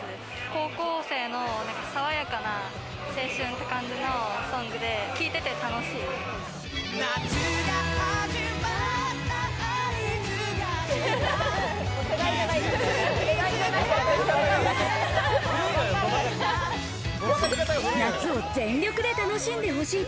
高校生のさわやかな青春って感じのソングで、聴いてて楽しい。